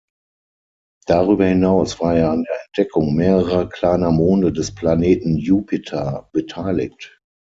Darüber hinaus war er an der Entdeckung mehrerer kleiner Monde des Planeten Jupiter beteiligt.